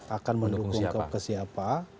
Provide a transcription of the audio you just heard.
akan mendukung ke siapa